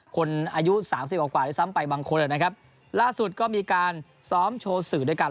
คนอายุสามสิบกว่ากว่าด้วยซ้ำไปบางคนนะครับล่าสุดก็มีการซ้อมโชว์สื่อด้วยกัน